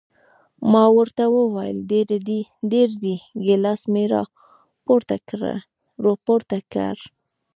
ما ورته وویل ډېر دي، ګیلاس مې را پورته کړ.